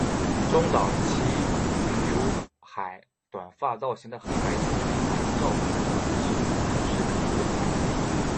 中岛齐浏海短发造型的黑白新宣传照亦同时公开。